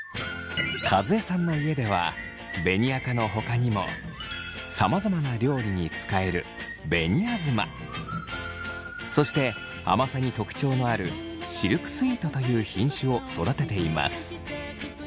和江さんの家では紅赤のほかにもさまざまな料理に使える紅あずまそして甘さに特徴のあるシルクスイートという品種を育てています。